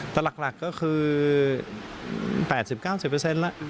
แต่หลักก็คือ๘๐๙๐แล้ว